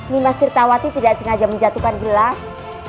nih mas tirtawati tidak sengaja menjatuhkan gelas